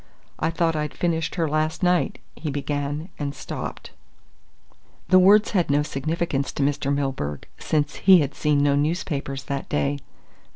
"I thought I'd finished her last night," he began, and stopped. The words had no significance for Mr. Milburgh, since he had seen no newspapers that day.